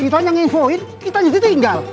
kita hanya nginfoin kita jadi tinggal